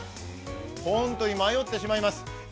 本当に迷ってしまいます。